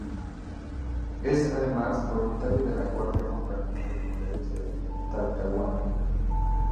Es además voluntario de la cuarta compañía de bomberos de Talcahuano.